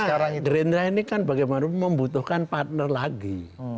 karena gerindra ini kan bagaimana membutuhkan partner lagi